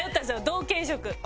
同系色。